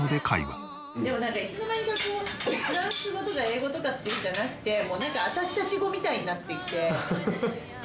でもなんかいつの間にかフランス語とか英語とかっていうんじゃなくてなんか私たち語みたいになってきて。